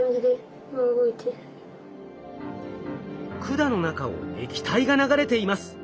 管の中を液体が流れています。